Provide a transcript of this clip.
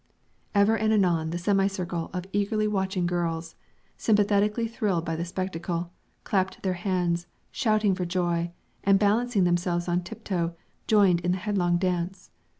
Ever and anon the semicircle of eagerly watching girls, sympathetically thrilled by the spectacle, clapped their hands, shouting for joy; and balancing themselves on tiptoe, joined in the headlong dance.